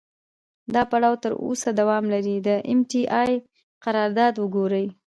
دا پړاو تر اوسه دوام لري، د ام ټي اې قرارداد وګورئ.